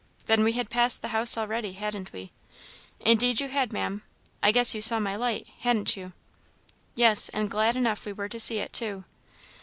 "Then we had passed the house already, hadn't we?" "Indeed, had you, Maam. I guess you saw my light, han't you?" "Yes, and glad enough we were to see it, too."